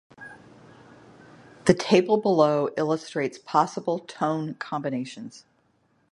The table below illustrates possible tone combinations.